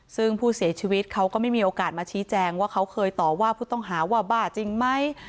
ซึ่งผู้เสียชีวิตเขาก็ไม่มีโอกาสมาชี้แจงว่าเขาเคยต่อว่าผู้ต้องหาว่าบ้าจริงไหม